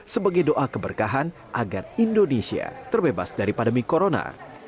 sebagai doa keberkahan agar indonesia terbebas dari pandemi corona